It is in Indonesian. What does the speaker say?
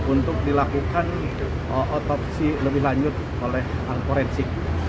untuk dilakukan otopsi lebih lanjut oleh forensik